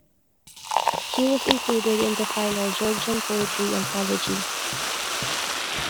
He was included in the final "Georgian Poetry" anthology.